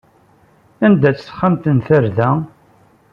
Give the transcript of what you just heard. Anda-tt texxamt n tarda?